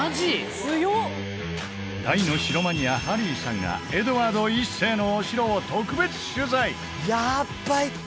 大の城マニアハリーさんがエドワード１世のお城を特別取材やばいって！